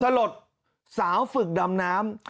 สลดสาวฝึกดำน้ำ